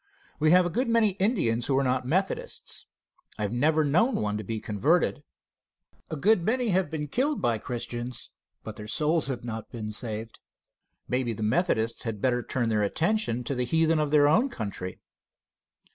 We have a good many Indians who are not Methodists. I have never known one to be converted. A good many have been killed by Christians, but their souls have not been saved. Maybe the Methodists had better turn their attention to the heathen of our own country.